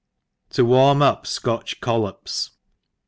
* Tb warm up Scotch Collops.